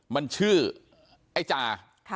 มันชื่อไอ้จา